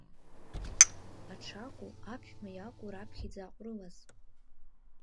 Аҽы акәу, аԥшәма иакәу раԥхьа иӡааҟәрылаз?